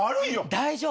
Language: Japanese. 大丈夫。